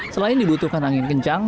selain dibutuhkan angin kencang